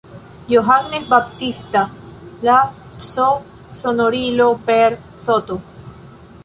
Johannes Baptista“, la c-sonorilo per „St.